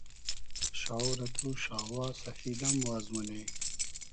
شاو رۂ تو شاوا سئفید ام واز مونی